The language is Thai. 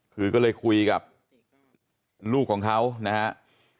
คือก็เลยคุยกับลูกของเขานะครับ